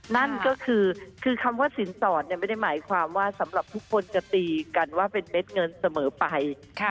นั่นก็คือคือคำว่าสินสอดไม่ได้หมายความว่าสำหรับทุกคนจะตีกันว่าเป็นเม็ดเงินเสมอไป